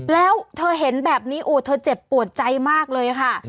แล้วเธอเห็นแบบนี้โอ้เธอเจ็บปวดใจมากเลยค่ะ